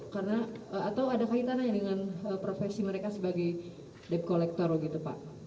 karena atau ada kaitannya dengan profesi mereka sebagai debt collector gitu pak